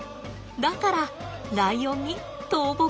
だからライオンに倒木です。